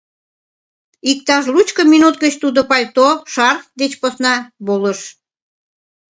Иктаж лучко минут гыч тудо пальто, шарф деч посна волыш.